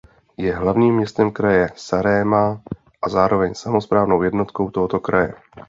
Je hlavním městem kraje Saaremaa a zároveň samosprávnou jednotkou tohoto kraje.